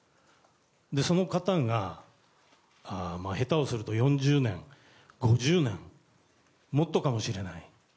その方が下手をすると４０年、５０年もっとかもしれない。